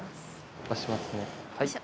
押しますね。